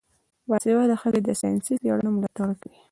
باسواده ښځې د ساینسي څیړنو ملاتړ کوي.